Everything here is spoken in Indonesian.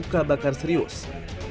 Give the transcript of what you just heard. keduanya dilarikan ke rumah sakit